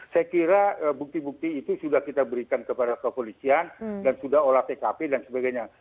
saya kira bukti bukti itu sudah kita berikan kepada kepolisian dan sudah olah tkp dan sebagainya